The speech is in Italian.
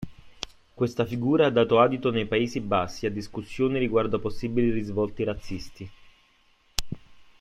Questa figura ha dato adito nei Paesi Bassi a discussioni riguardo possibili risvolti razzisti.